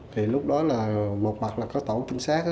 thì lúc đó là một mặt là có tổ chính xác